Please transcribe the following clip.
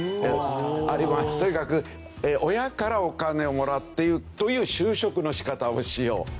あるいはとにかく親からお金をもらうという就職の仕方をしよう。